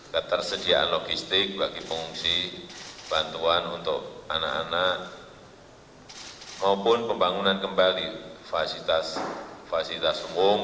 ketersediaan logistik bagi pengungsi bantuan untuk anak anak maupun pembangunan kembali fasilitas umum